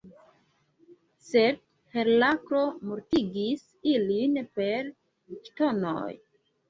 Sed Heraklo mortigis ilin per ŝtonoj.